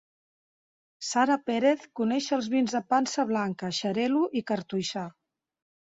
Sara Pérez coneix els vins de pansa blanca, xarel·lo i cartoixà